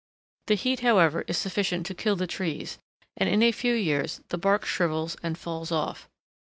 The heat, however, is sufficient to kill the trees, and in a few years the bark shrivels and falls off.